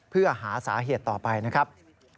เพื่อหาสาเหตุต่อไปนะครับ